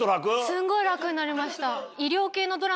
すごい楽になりました。